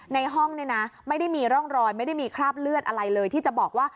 ในห้องเนี่ยนะไม่ได้มีร่องรอยไม่ได้มีคราบเลือดอะไรเลยที่จะบอกว่า